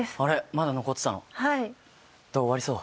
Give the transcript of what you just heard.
まだ残ってたのはいどう終わりそう？